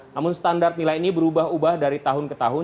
namun standar nilai ini berubah ubah dari tahun ke tahun